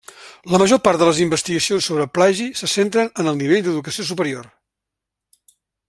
La major part de les investigacions sobre plagi se centren en el nivell d'educació superior.